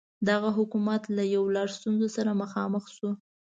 دغه حکومت له یو لړ ستونزو سره مخامخ شو.